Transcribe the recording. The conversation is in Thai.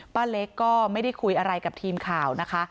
ป้าเล็กก็ไม่ได้คุยอะไรกับทีมข่าวนะคะ